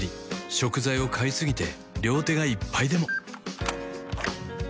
食材を買いすぎて両手がいっぱいでも